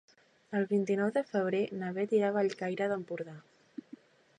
El vint-i-nou de febrer na Beth irà a Bellcaire d'Empordà.